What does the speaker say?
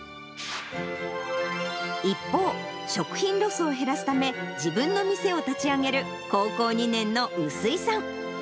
一方、食品ロスを減らすため、自分の店を立ち上げる、高校２年の薄井さん。